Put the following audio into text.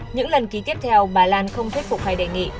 những lần ký tiếp theo bà lan không thuyết phục hay đề nghị